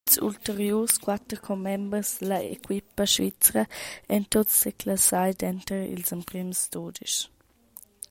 Ils ulteriurs quater commembers dalla equipa svizra ein tuts seclassai denter ils emprems dudisch.